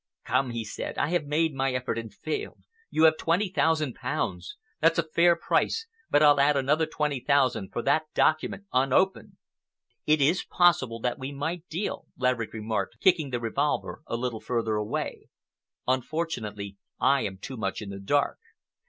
"Come," he said, "I have made my effort and failed. You have twenty thousand pounds. That's a fair price, but I'll add another twenty thousand for that document unopened." "It is possible that we might deal," Laverick remarked, kicking the revolver a little further away. "Unfortunately, I am too much in the dark.